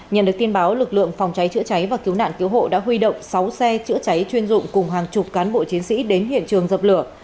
nhận được tin báo lực lượng phòng cháy chữa cháy và cứu nạn cứu hộ đã huy động sáu xe chữa cháy chuyên dụng cùng hàng chục cán bộ chiến sĩ đến hiện trường dập lửa